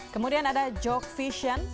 kemudian ada jokevision